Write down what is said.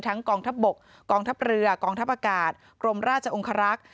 กองทัพบกกองทัพเรือกองทัพอากาศกรมราชองคารักษ์